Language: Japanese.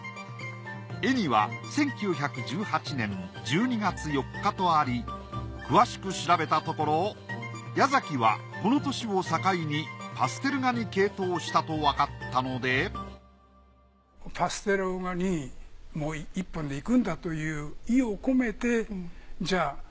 絵には１９１８年１２月４日とあり詳しく調べたところ矢崎はこの年を境にパステル画に傾倒したとわかったのですごい調べてるじゃないですか。